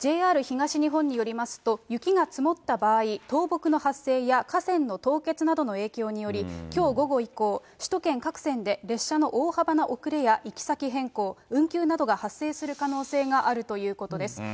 ＪＲ東日本によりますと、雪が積もった場合、倒木の発生や架線の凍結などの影響により、きょう午後以降、首都圏各線で列車の大幅な遅れや行き先変更、運休などが発生する可能性があるということです。